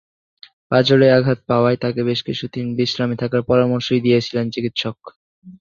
পাঁজরে আঘাত পাওয়ায় তাঁকে বেশ কিছুদিন বিশ্রামে থাকার পরামর্শই দিয়েছিলেন চিকিৎসক।